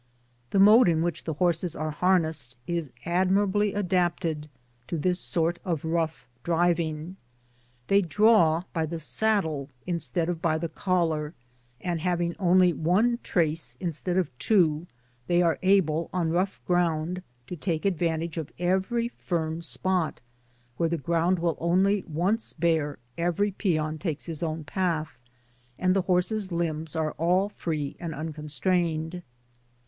The mode in which the horses ^te harnessed is admirably adapted to this sort of rough driving. I'hey draw by the Saddle instead of the collai*, tmd having only one trace instead of two, they are able, on rough ground^ to take advantage of every firm spot; where the ground will only he&t parsing over once, every peon takes his own path, and the hoirses^ limbs are all free atid unconstrained.